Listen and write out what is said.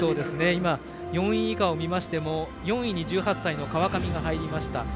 今、４位以下を見ましても４位に１８歳の川上が入りました。